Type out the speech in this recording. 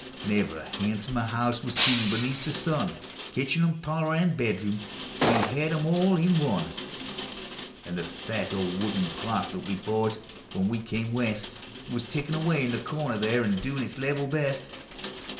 Never a handsomer house was seen beneath the sun : Kitchen and parlor and bedroom — we hed 'em all in one; And the fat old wooden clock, that we bought when we come West. Was tickiu' away in the corner there, and doin' its level best.